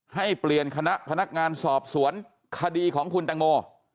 ให้เปลี่ยนคณะพนักงานสอบสวนคดีของคุณตังโม